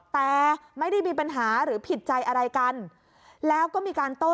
แต่ไม่ได้มีปัญหาหรือผิดใจอะไรกันแล้วก็มีการโต้